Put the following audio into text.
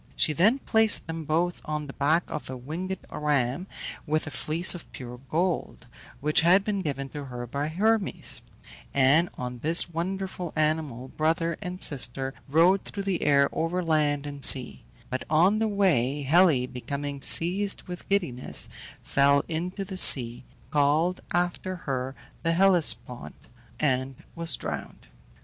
She then placed them both on the back of a winged ram, with a fleece of pure gold, which had been given to her by Hermes; and on this wonderful animal brother and sister rode through the air over land and sea; but on the way Helle, becoming seized with giddiness, fell into the sea (called after her the Hellespont) and was drowned.